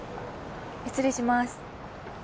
失礼します。